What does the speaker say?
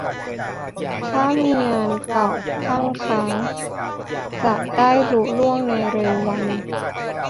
ถ้ามีงานเก่าคั่งค้างจะได้ลุล่วงในเร็ววัน